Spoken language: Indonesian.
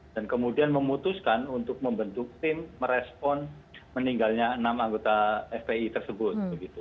dan kemudian memutuskan untuk membentuk tim merespon meninggalnya enam anggota fpi tersebut